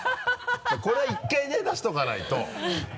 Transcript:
これは１回ね出しておかないと。